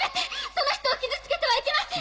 その人を傷つけてはいけません！